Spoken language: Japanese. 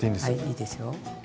はいいいですよ。